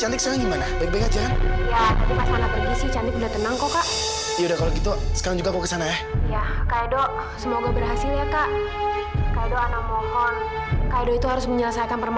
di rumah itu lagi banyak masalah kak